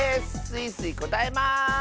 スイスイこたえます！